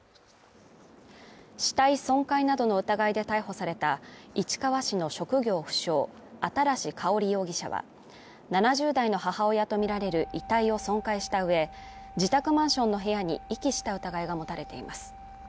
死体損壊などの疑いで逮捕された市川市の職業不詳新かほり容疑者は、７０代の母親とみられる遺体を損壊した上、自宅マンションの部屋に遺棄した疑いが持たれています。